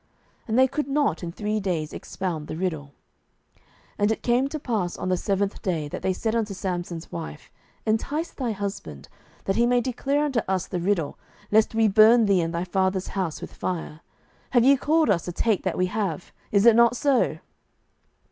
And they could not in three days expound the riddle. 07:014:015 And it came to pass on the seventh day, that they said unto Samson's wife, Entice thy husband, that he may declare unto us the riddle, lest we burn thee and thy father's house with fire: have ye called us to take that we have? is it not so?